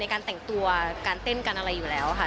การแต่งตัวการเต้นการอะไรอยู่แล้วค่ะ